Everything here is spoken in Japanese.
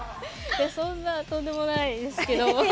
そんなとんでもないですけど。